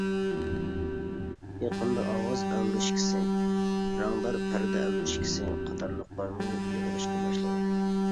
يېقىندا ئاۋاز ئەۋرىشكىسى، رەڭدار پەردە ئەۋرىشكىسى قاتارلىقلارمۇ يىغىلىشقا باشلىغان.